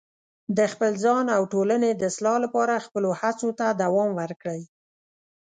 د خپل ځان او ټولنې د اصلاح لپاره خپلو هڅو ته دوام ورکړئ.